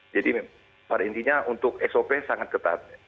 jadi pada intinya untuk sop sangat ketat